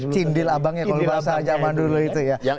cindil abangnya kalau bahasa zaman dulu itu ya